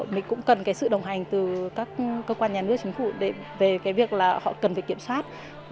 mình cũng cần sự đồng hành từ các cơ quan nhà nước chính phủ về việc họ cần phải kiểm soát